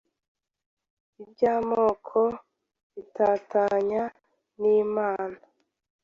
ibyamoko bibatanya nimana